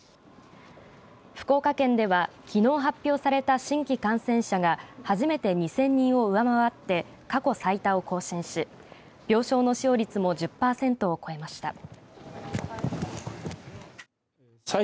福岡県では、きのう発表された新規感染者が初めて２０００人を上回って過去最多を更新し病床の使用率も１０パーセントを超えました。